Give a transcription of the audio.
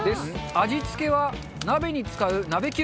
味付けは、鍋に使う鍋キューブ。